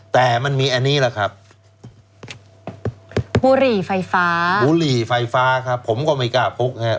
แต่มันมีอันนี้แหละครับบุหรี่ไฟฟ้าบุหรี่ไฟฟ้าครับผมก็ไม่กล้าพกครับ